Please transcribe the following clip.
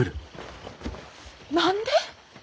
何で？